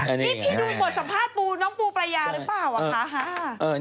นี่พี่ดูบทสัมภาษณ์ปูน้องปูประยาหรือเปล่าอ่ะคะ